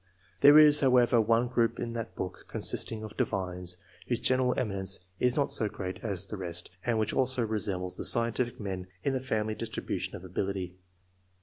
There 7S ENGLISH MEN OF SCIENCE. [chap is however one group in that book, consisting of divines, whose general eminence is not so great as the rest, and which also resembles the scientific men in the family distribution of ability.